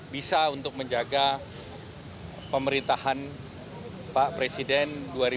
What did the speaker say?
bisa untuk menjaga pemerintahan pak presiden dua ribu sembilan belas dua ribu dua puluh empat